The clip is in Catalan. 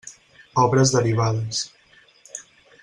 Obres derivades.